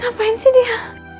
ngapain sih dia